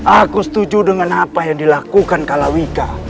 aku setuju dengan apa yang dilakukan kalawika